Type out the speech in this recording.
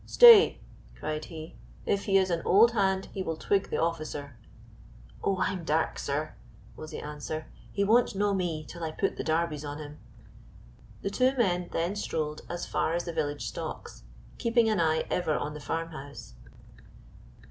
"Stay," cried he, "if he is an old hand he will twig the officer." "Oh, I'm dark, sir," was the answer; "he won't know me till I put the darbies on him." The two men then strolled as far as the village stocks, keeping an eye ever on the farm house.